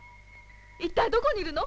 一体どこにいるの？